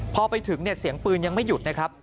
พอไปถึงเนี่ยเสียงปืนยังไม่หยุดนะครับ